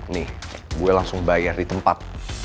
nih gue langsung bayar di tempat